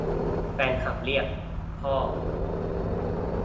แฟนคลับเรียก : พ่อ